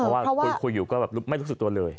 เพราะว่าคุยอยู่ก็แบบไม่รู้สึกตัวเลย